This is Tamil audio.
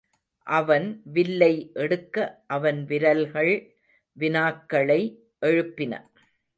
அவன் வில்லை எடுக்க அவன் விரல்கள் வினாக்களை எழுப்பின.